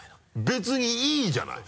別にいいじゃない！